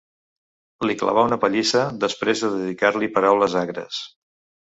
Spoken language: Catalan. Li clavà una pallissa després de dedicar-li paraules agres.